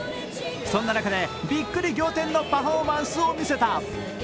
そんな中でびっくり仰天のパフォーマンスを見せた。